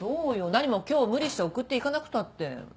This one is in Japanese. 何も今日無理して送っていかなくたって。